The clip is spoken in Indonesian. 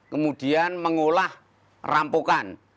kemudian mengolah rampukan